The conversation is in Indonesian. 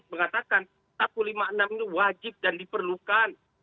mengatakan satu ratus lima puluh enam itu wajib dan diperlukan